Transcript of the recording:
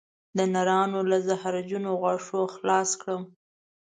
د نرانو له زهرجنو غاښونو خلاص کړم